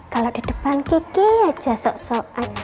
kalau di depan kiki aja sok sok